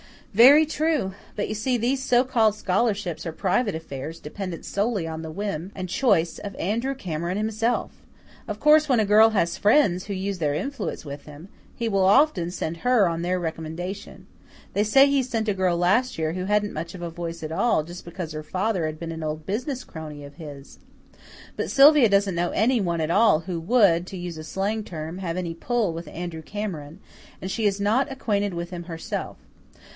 "Very true. But you see, these so called scholarships are private affairs, dependent solely on the whim and choice of Andrew Cameron himself. Of course, when a girl has friends who use their influence with him, he will often send her on their recommendation. They say he sent a girl last year who hadn't much of a voice at all just because her father had been an old business crony of his. But Sylvia doesn't know anyone at all who would, to use a slang term, have any 'pull' with Andrew Cameron, and she is not acquainted with him herself.